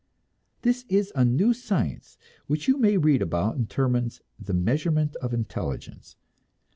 This is a new science which you may read about in Terman's "The Measurement of Intelligence."